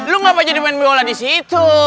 lu ngapain jadi main bola disitu